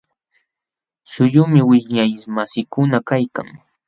Suquyuqmi wiñaymasiikuna kaykan.